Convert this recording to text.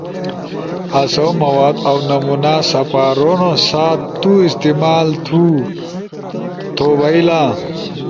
آسو مواد او نمونا سپارونا سا تُو استعمال تو بھئیلا۔